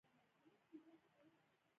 کیمیاګر یو معنوي سفر انځوروي.